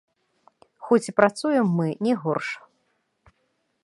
Хоць і працуем мы не горш.